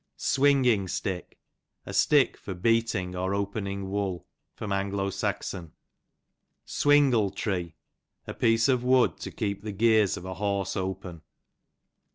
Swinging Stick, a sticK for beat ing or opening wool. A. .S Swingle tree, a piece of wood to keep the gears of a horse open.